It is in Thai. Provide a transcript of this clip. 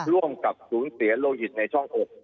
ร่วมกับสูญเสียโลหิตในช่องอก